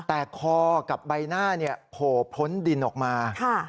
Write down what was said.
แต่คอกับใบหน้าโผล่พ้นดินออกมา